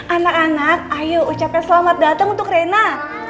anak anak ayo ucapkan selamat datang untuk rena